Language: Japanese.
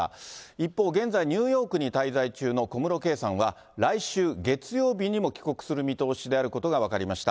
一方、現在、ニューヨークに滞在中の小室圭さんは、来週月曜日にも帰国する見通しであることが分かりました。